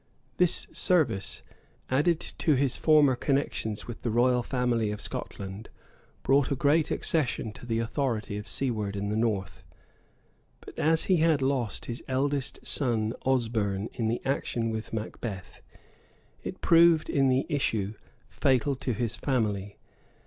This service, added to his former connections with the royal family of Scotland, brought a great accession to the authority of Siward in the north; but as he had lost his eldest son, Osberne, in the action with Macbeth, it proved in the issue fatal to his family.